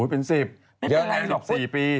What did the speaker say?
เป็น๑๐๔ปี